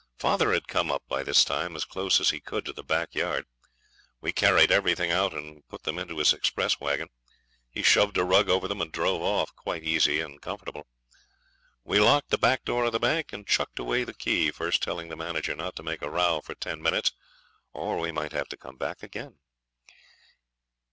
Father had come up by this time as close as he could to the back yard. We carried everything out and put them into his express waggon; he shoved a rug over them and drove off, quite easy and comfortable. We locked the back door of the bank and chucked away the key, first telling the manager not to make a row for ten minutes or we might have to come back again.